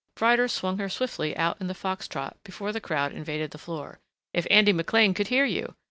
Ryder swung her swiftly out in the fox trot before the crowd invaded the floor. "If Andy McLean could hear you!